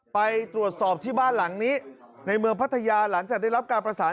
ไปตรวจสอบที่บ้านหลังนี้ในเมืองพัทยาหลังจากได้รับการประสาน